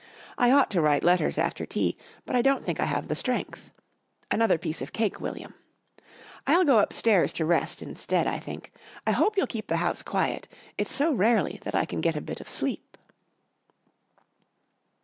I ought to write letters after tea, but I don't think I have the strength. Another piece of cake, William. I'll go upstairs to rest instead, I think. I hope you'll keep the house quiet. It's so rarely that I can get a bit of sleep."